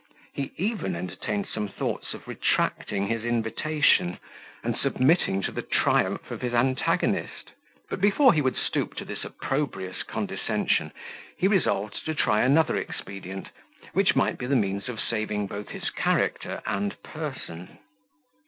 He even entertained some thoughts of retracting his invitation, and submitting to the triumph of his antagonist: but before he would stoop to this opprobrious condescension, he resolved to try another expedient, which might be the means of saving both his character and person.